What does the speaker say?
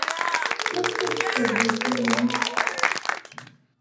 Maɣef ay teqqel d asawen?